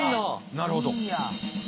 なるほど。